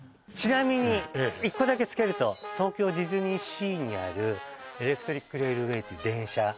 ちなみに１個だけつけると東京ディズニーシーにあるエレクトリックレールウェイという電車